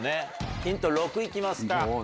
ヒント６いきますか。